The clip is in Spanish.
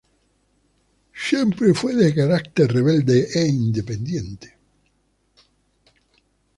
Siempre fue de carácter rebelde e independiente.